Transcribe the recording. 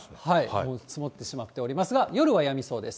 もう積もってしまっておりますが、夜はやみそうです。